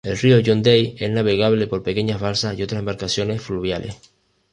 El río John Day es navegable por pequeñas balsas y otras embarcaciones fluviales.